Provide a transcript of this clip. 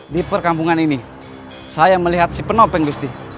di perkampungan ini saya melihat si penopeng gusti